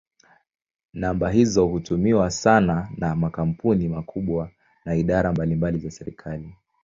Namba hizo hutumiwa sana na makampuni makubwa na idara mbalimbali za serikali.